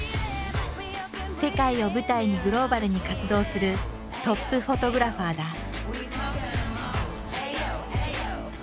世界を舞台にグローバルに活動するトップフォトグラファーだ。